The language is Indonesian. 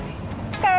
ini enak banget